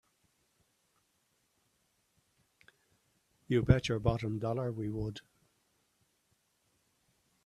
You bet your bottom dollar we would!